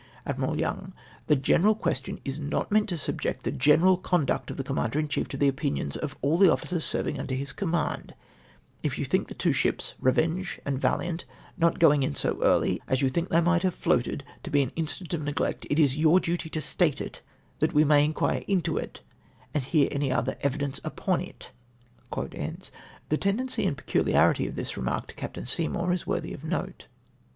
Admiral Young. —" The general question is not meant to subject the general conduct of the Commander in chief to the opinions of all the officers serving under his command, E 3 54 IN NOT SENDING SHIPS TO ATTACK. If you think the two ships {Revenge and Valiant) not going in so early as you think they might have floated to be an instance of neglect, it is your duty to state it, that we may inquire into it, and hear aajj other evidence upon it." The tendency and pecidiarity of this remark to Captain Seymour, is worthy of note.